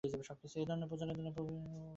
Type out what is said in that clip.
এই ধরনের প্রচারের দ্বারা প্রভূত অনিষ্ট হয়।